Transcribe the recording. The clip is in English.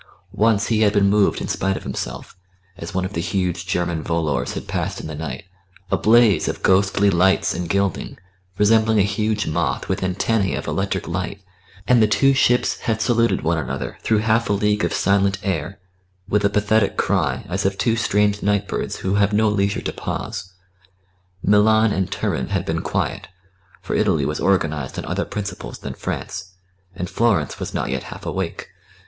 Once he had been moved in spite of himself, as one of the huge German volors had passed in the night, a blaze of ghostly lights and gilding, resembling a huge moth with antennae of electric light, and the two ships had saluted one another through half a league of silent air, with a pathetic cry as of two strange night birds who have no leisure to pause. Milan and Turin had been quiet, for Italy was organised on other principles than France, and Florence was not yet half awake.